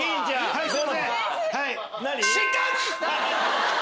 はいすいません。